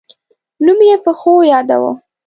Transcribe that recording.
نوم یې په ښو یاداوه.